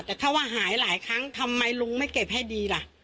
แต่ถ้าว่าหายหลายครั้งทำไมลุงไม่เก็บให้ดีล่ะ